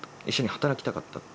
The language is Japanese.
一緒に働きたかった。